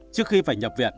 trước khi phải nhập viện